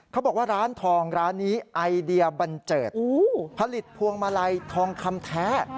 เขาบอกว่าร้านทองร้านนี้ไอเดียบันเจิดผลิตพวงมาลัยทองคำแท้